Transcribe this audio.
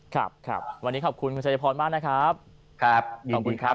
ครับวันนี้ขอบคุณคุณชายพอร์นหนาวว์นะครับ